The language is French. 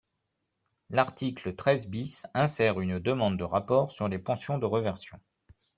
L’article treize bis insère une demande de rapport sur les pensions de réversion.